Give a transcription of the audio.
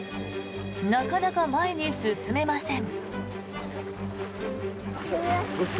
なかなか前に進めません。